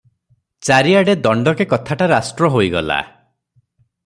ଚାରିଆଡ଼େ ଦଣ୍ଡକେ କଥାଟା ରାଷ୍ଟ୍ର ହୋଇଗଲା ।